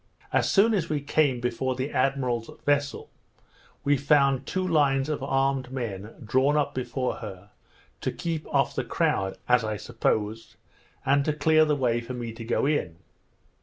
As soon as we came before the admiral's vessel, we found two lines of armed men drawn up before her, to keep off the crowd, as I supposed, and to clear the way for me to go in.